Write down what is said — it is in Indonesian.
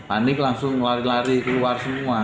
panik langsung lari lari keluar semua